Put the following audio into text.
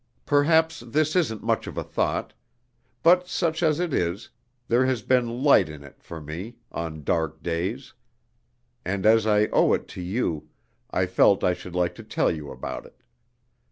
"Perhaps this isn't much of a thought. But such as it is, there has been light in it for me, on dark days. And as I owe it to you, I felt I should like to tell you about it.